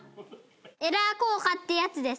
エラー硬貨ってやつです。